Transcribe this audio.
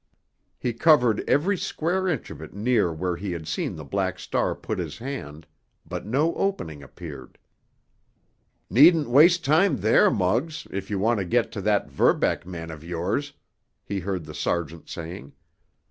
He covered every square inch of it near where he had seen the Black Star put his hand, but no opening appeared. "Needn't waste time there, Muggs, if you want to get to that Verbeck man of yours," he heard the sergeant saying.